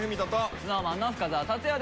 ＳｎｏｗＭａｎの深澤辰哉です。